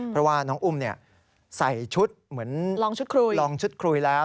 เพราะว่าน้องอุ้มเนี่ยใส่ชุดเหมือนลองชุดครุยแล้ว